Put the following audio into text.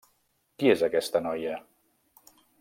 Qui és aquesta noia?